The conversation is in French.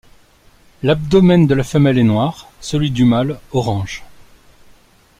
L'abdomen de la femelle est noir, celui du mâle orange.